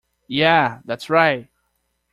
Yeah, that's right!.